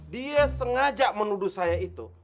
dia sengaja menuduh saya itu